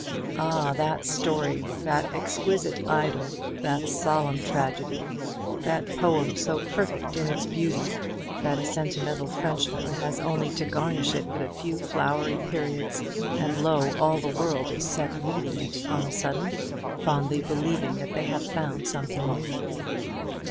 Ah, that story, that exquisite idyl, that solemn tragedy, that poem so perfect in its beauty, that a sentimental Frenchman has only to garnish it with a few flowery periods, and lo, all the world is set reading it on a sudden, fondly believing that they have found something new.